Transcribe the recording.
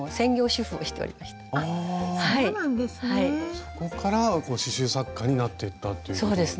そこから刺しゅう作家になっていったっていうことなんですね。